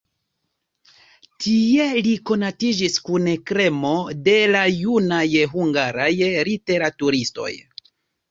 Tie li konatiĝis kun kremo de la junaj hungaraj literaturistoj.